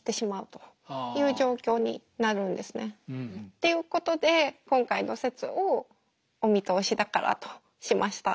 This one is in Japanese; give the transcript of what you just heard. っていうことで今回の説を「お見通しだから」としました。